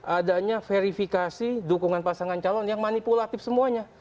adanya verifikasi dukungan pasangan calon yang manipulatif semuanya